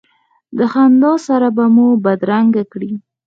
د خندا سره به مو بدرګه کړې.